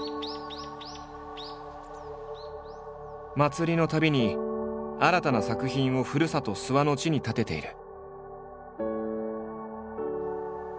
祭りのたびに新たな作品をふるさと諏訪の地に建てている。